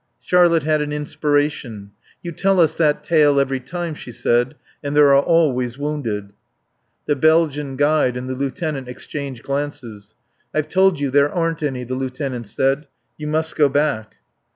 Charlotte had an inspiration. "You tell us that tale every time," she said, "and there are always wounded." The Belgian guide and the lieutenant exchanged glances. "I've told you there aren't any," the lieutenant said. "You must go back."